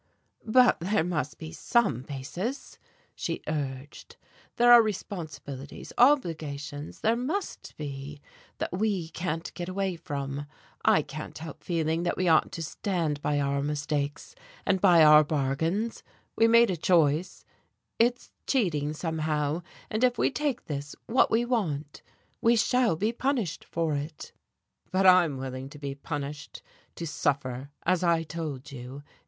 "But there must be same basis," she urged. "There are responsibilities, obligations there must be! that we can't get away from. I can't help feeling that we ought to stand by our mistakes, and by our bargains; we made a choice it's cheating, somehow, and if we take this what we want we shall be punished for it." "But I'm willing to be punished, to suffer, as I told you.